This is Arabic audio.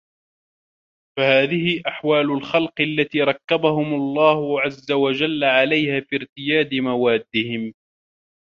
فَهَذِهِ أَحْوَالُ الْخَلْقِ الَّتِي رَكَّبَهُمْ اللَّهُ عَزَّ وَجَلَّ عَلَيْهَا فِي ارْتِيَادِ مَوَادِّهِمْ